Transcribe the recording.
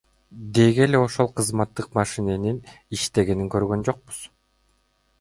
Деги эле ошол кызматтык машиненин иштегенин көргөн жокпуз.